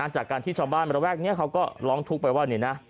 จากการที่ชาวบ้านระแวกนี้เขาก็ร้องทุกข์ไปว่านี่นะ